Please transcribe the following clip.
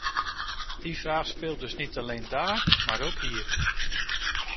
Die vraag speelt dus niet alleen dáár, maar ook hier.